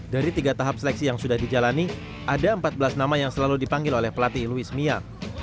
dari tiga tahap seleksi yang sudah dijalani ada empat belas nama yang selalu dipanggil oleh pelatih luis mia